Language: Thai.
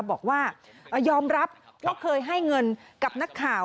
บอกว่ายอมรับว่าเคยให้เงินกับนักข่าว